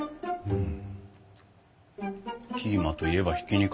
うん？